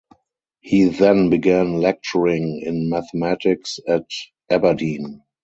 He then began lecturing in mathematics at Aberdeen.